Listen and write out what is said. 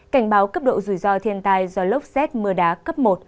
cảnh báo cấp độ rủi ro thiên tai do lốc xét mưa đá cấp một